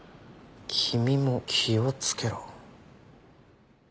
「君も気をつけろ」